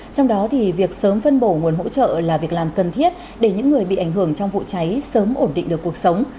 trong đó thì việc sớm phân bổ nguồn hỗ trợ là việc làm cần thiết để những người bị ảnh hưởng trong vụ cháy sớm ổn định được cuộc sống